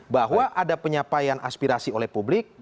bahwa ada penyampaian aspirasi oleh publik